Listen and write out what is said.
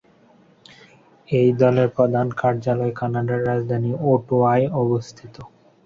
এই দলের প্রধান কার্যালয় কানাডার রাজধানী অটোয়ায় অবস্থিত।